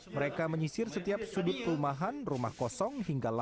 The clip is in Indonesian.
mereka menyisir setiap sudut perumahan rumah kosong hingga lantai